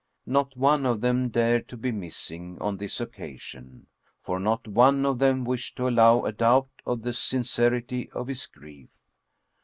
Not one of them dared to be missing on this occasion, for not one of them wished to allow a doubt of the sincerity of his grief.